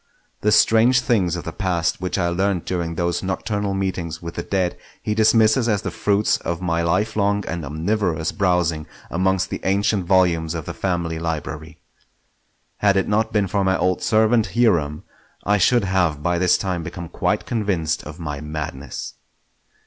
The strange things of the past which I learnt during those nocturnal meetings with the dead he dismisses as the fruits of my lifelong and omnivorous browsing amongst the ancient volumes of the family library. Had it not been for my old servant Hiram, I should have by this time become quite convinced of my madness.